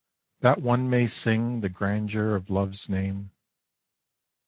That one may sing the grandeur of Love's name?